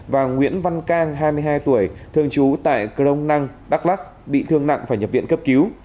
và nguyễn văn cang hai mươi hai tuổi thường trú tại crong năng đắk lắc bị thương nặng phải nhập viện cấp cứu